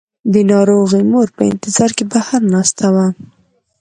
د ناروغې مور په انتظار کې بهر ناسته وه.